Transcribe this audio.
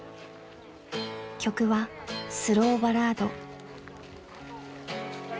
［曲は『スローバラード』］え